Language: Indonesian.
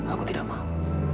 aku tidak mau